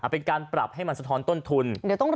เป็นการปรับให้มันสะท้อนต้นทุน